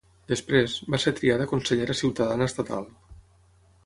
Després, va ser triada consellera ciutadana estatal.